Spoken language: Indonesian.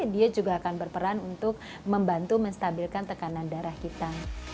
dia juga akan berperan untuk membantu menstabilkan tekanan darah kita